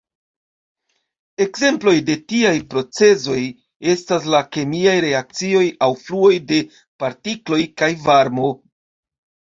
Ekzemploj de tiaj procezoj estas la kemiaj reakcioj aŭ fluoj de partikloj kaj varmo.